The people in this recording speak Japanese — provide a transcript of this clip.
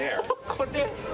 これ？